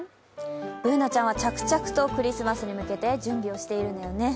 Ｂｏｏｎａちゃんは着々とクリスマスに向けて準備しているのよね。